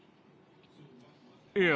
いや。